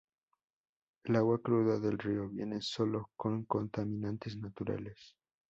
El agua cruda del Río viene solo con contaminantes naturales.